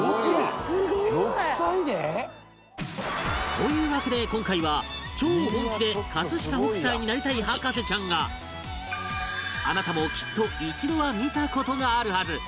というわけで今回は超本気で飾北斎になりたい博士ちゃんがあなたもきっと一度は見た事があるはず